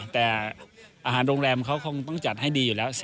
แต่อาหารโรงแรมเขาคงต้องจัดให้ดีอยู่แล้ว